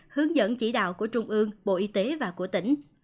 hướng dẫn chỉ đạo của trung ương bộ y tế và của tỉnh